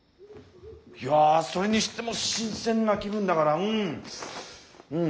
いやそれにしても新鮮な気分だからうん。